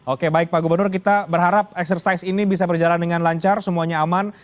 oke baik pak gubernur kita berharap eksersis ini bisa berjalan dengan lancar semuanya aman